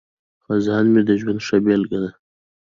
خزان مې د ژوند ښه بیلګه ده.